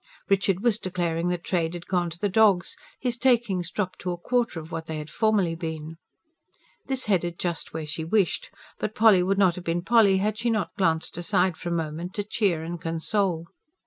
Richard was declaring that trade had gone to the dogs, his takings dropped to a quarter of what they had formerly been. This headed just where she wished. But Polly would not have been Polly, had she not glanced aside for a moment, to cheer and console.